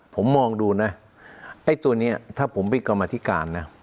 ผมมองดูนะไอ้ตัวนี้ถ้าผมเป็นกรรมธิการนะ